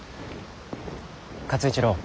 勝一郎。